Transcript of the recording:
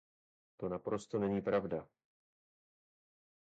To naprosto není pravda!.